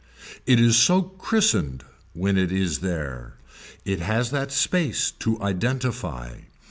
It is so christened when it is there. It has that space to identify.